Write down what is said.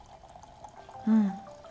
うん。